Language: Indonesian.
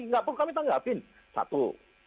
nggak perlu kami tanggapin satu